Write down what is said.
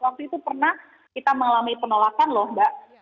waktu itu pernah kita mengalami penolakan loh mbak